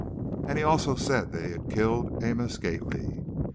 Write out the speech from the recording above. And he had also said that he killed Amos Gately!